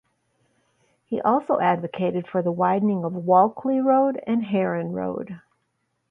He also advocated for the widening of Walkley Road and Heron Road.